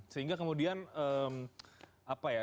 sehingga kemudian apa ya